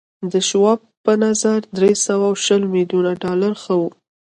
د شواب په نظر درې سوه شل ميليونه ډالر ښه و